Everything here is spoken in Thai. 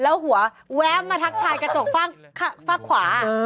แล้วหัวแวะมาทักทายกระจกฟากขวา